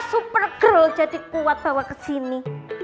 super grow jadi kuat bawa ke sini